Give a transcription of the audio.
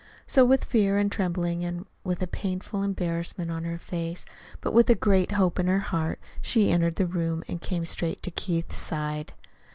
So with fear and trembling and with a painful embarrassment on her face, but with a great hope in her heart, she entered the room and came straight to Keith's side.